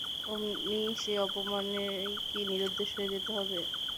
অমনি সেই অপমানেই কি নিরুদ্দেশ হয়ে যেতে হবে।